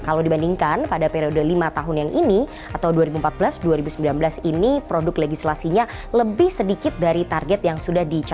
kalau dibandingkan pada periode lima tahun yang ini atau dua ribu empat belas dua ribu sembilan belas ini produk legislasinya lebih sedikit dari target yang sudah diperlukan